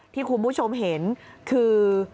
ที่คุณผู้ชมเห็นคือ